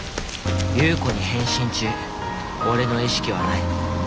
夕子に変身中おれの意識はない。